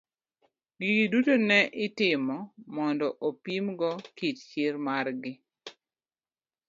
Gigi duto ne itomo mondo opim go kit chir mar gi.